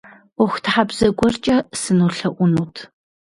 Ӏуэхутхьэбзэ гуэркӏэ сынолъэӏунут.